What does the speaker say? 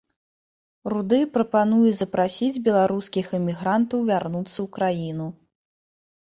Руды прапануе запрасіць беларускіх эмігрантаў вярнуцца ў краіну.